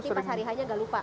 harus hari hanya gak lupa